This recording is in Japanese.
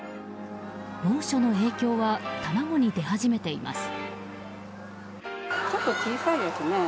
猛暑の影響は卵に出始めています。